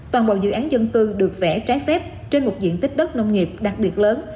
toàn bộ dự án dân cư được vẽ trái phép trên một diện tích đất nông nghiệp đặc biệt lớn